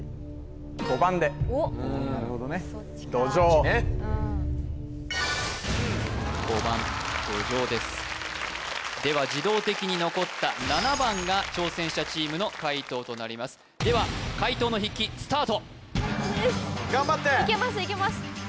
うんはい５番どじょうですでは自動的に残った７番が挑戦者チームの解答となりますでは解答の筆記スタートファイトです頑張っていけますいけます